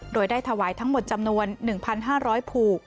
โดยได้ถวายทั้งหมดจำนวน๑๕๐๐ผูก